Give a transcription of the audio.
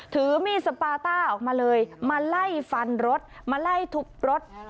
ถือมีดสปาต้าออกมาเลยมาไล่ฟันรถมาไล่ทุบรถ